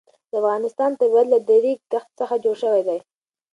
د افغانستان طبیعت له د ریګ دښتې څخه جوړ شوی دی.